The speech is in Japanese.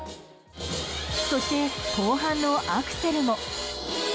そして、後半のアクセルも。